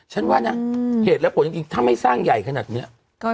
ฉันว่านะเหตุและผลจริงถ้าไม่สร้างใหญ่ขนาดนี้